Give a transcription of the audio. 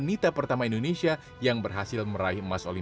itu sudah selesai